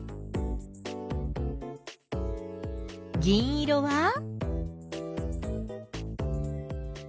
銀色は？